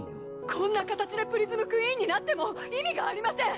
こんな形でプリズムクイーンになっても意味がありません！